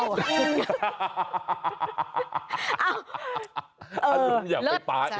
อันนั้นอยากไปป่า